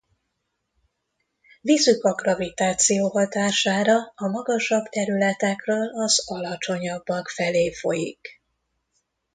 Vizük a gravitáció hatására a magasabb területekről az alacsonyabbak felé folyik.